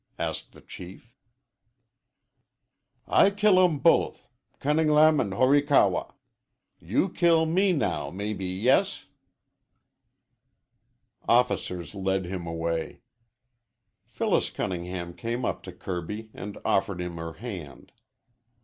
asked the Chief. "I killum both Cunnin'lam and Horikawa. You kill me now maybe yes." Officers led him away. Phyllis Cunningham came up to Kirby and offered him her hand.